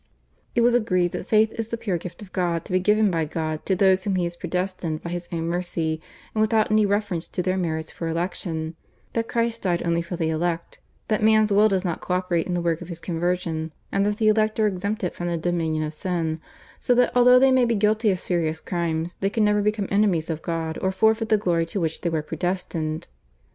It was agreed that faith is the pure gift of God to be given by God to those whom He has predestined by His own mercy and without any reference to their merits for election; that Christ died only for the elect; that man's will does not co operate in the work of his conversion; and that the elect are exempted from the dominion of sin, so that although they may be guilty of serious crimes they can never become enemies of God or forfeit the glory to which they were predestined.